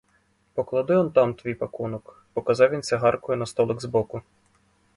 Поклади он там твій пакунок, — показав він цигаркою на столик збоку.